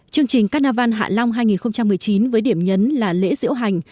chương trình carnival hạ long hai nghìn một mươi chín với điểm nhấn là lễ diễu hành